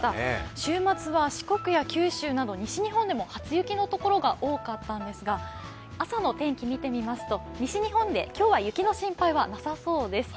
週末は四国や九州など、西日本でも初雪のところが多かったんですが朝の天気、見てみますと西日本で今日は雪の心配はなさそうです。